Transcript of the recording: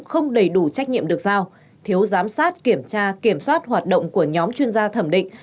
không đầy đủ trách nhiệm được giao thiếu giám sát kiểm tra kiểm soát hoạt động của nhóm chuyên gia thẩm định